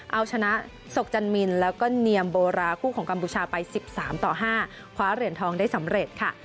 เอาชนะศกจันมินแล้วก็เนียมโบราคู่ของกัมพูชาไป๑๓ต่อ๕คว้าเหรียญทองได้สำเร็จค่ะ